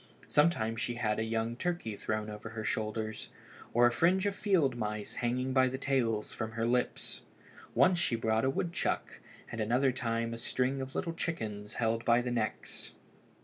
Sometimes she had a young turkey thrown over her shoulders, or a fringe of field mice hanging by the tails from her lips. Once she brought a wood chuck, and at another time a string of little chickens held by the necks.